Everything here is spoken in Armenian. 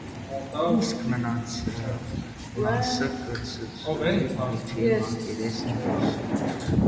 Իսկ մնացեալ մասը կը ցցուի մորթի մակերեսէն դուրս։